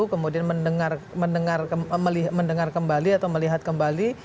kemudian mendengar kembali atau melihat kembali